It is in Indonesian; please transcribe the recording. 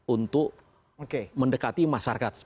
untuk mendekati masyarakat